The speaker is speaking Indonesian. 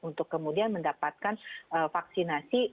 untuk kemudian mendapatkan vaksinasi